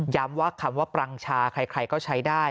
ว่าคำว่าปรังชาใครก็ใช้ได้